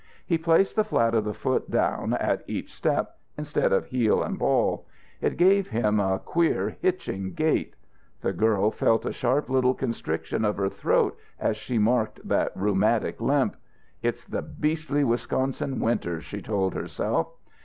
He placed the flat of the foot down at each step, instead of heel and ball. It gave him a queer, hitching gait. The girl felt a sharp little constriction of her throat as she marked that rheumatic limp. "It's the beastly Wisconsin winters," she told herself.